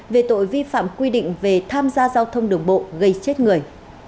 về tội vi phạm quy định về tham gia giao thông đường bộ gây chết người